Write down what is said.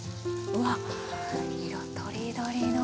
うわ色とりどりの。